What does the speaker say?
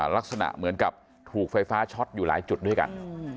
ลักษณะเหมือนกับถูกไฟฟ้าช็อตอยู่หลายจุดด้วยกัน